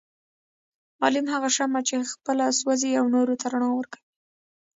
معلم هغه شمعه چي خپله سوزي او نورو ته رڼا ورکوي